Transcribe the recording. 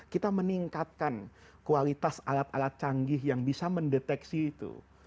kita meningkatkan kualitas alat alat canggih yang bisa mendeteksi itu